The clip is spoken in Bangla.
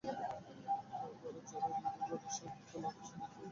পরে জরুরি বিভাগের সামনে খোলা আকাশের নিচে সন্তান প্রসব করেন মাজেদা।